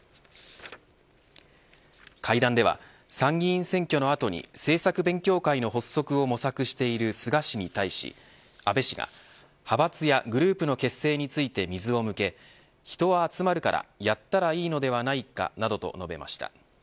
会談では参議院選挙の後に政策勉強会の発足を模索している菅氏に対し安倍氏が派閥やグループの結成について水を向け人は集まるからやったらいいのではないかなどと述べました。